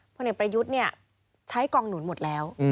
พลเอกประยุทธ์ใช้กองหนุนหมดแล้ว